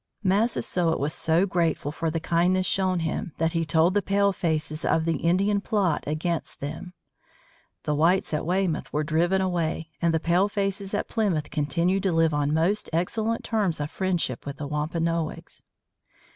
Massasoit was so grateful for the kindness shown him that he told the palefaces of the Indian plot against them. The whites at Weymouth were driven away and the palefaces at Plymouth continued to live on most excellent terms of friendship with the Wampanoags.